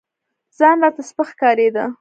ځان راته سپك ښكارېده.